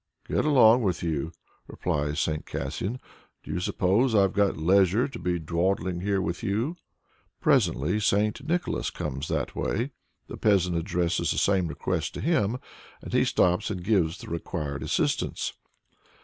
"Get along with you!" replies St. Kasian. "Do you suppose I've got leisure to be dawdling here with you!" Presently St. Nicholas comes that way. The peasant addresses the same request to him, and he stops and gives the required assistance.